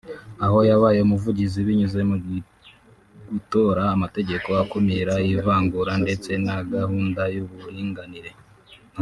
aho yabaye umuvugizi binyuze mu gutora amategeko akumira ivangura ndetse na gahunda y’uburinganire